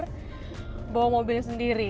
dan bawa mobil sendiri